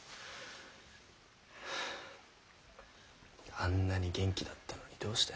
あんなに元気だったのにどうした？